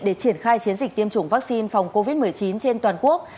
để triển khai chiến dịch tiêm chủng vaccine phòng covid một mươi chín trên toàn quốc